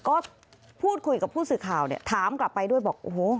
ก็พูดคุยกับผู้สื่อข่าวเนี่ยถามกลับไปด้วยบอกโอ้โห